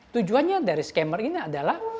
tujuannya dari scammer ini adalah